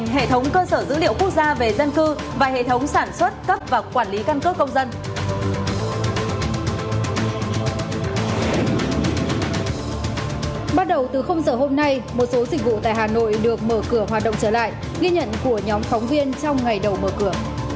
hãy đăng ký kênh để ủng hộ kênh của chúng mình nhé